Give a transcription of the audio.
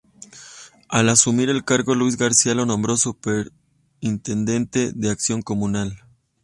Al asumir el cargo, Luis García lo nombró superintendente de acción comunal.